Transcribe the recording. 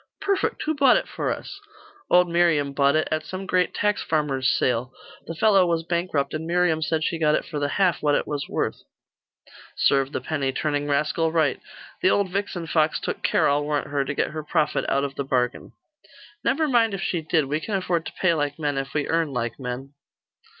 'Perfect. Who bought it for us?' 'Old Miriam bought it, at some great tax farmer's sale. The fellow was bankrupt, and Miriam said she got it for the half what it was worth.' 'Serve the penny turning rascal right. The old vixen fox took care, I'll warrant her, to get her profit out of the bargain.' 'Never mind if she did. We can afford to pay like men, if we earn like men.